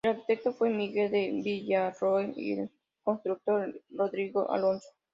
El arquitecto fue Miguel de Villarroel y el constructor Rodrigo Alonso.